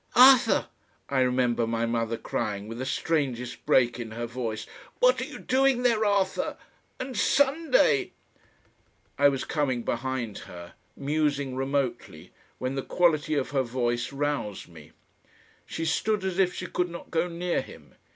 "Arthur!" I remember my mother crying with the strangest break in her voice, "What are you doing there? Arthur! And SUNDAY!" I was coming behind her, musing remotely, when the quality of her voice roused me. She stood as if she could not go near him.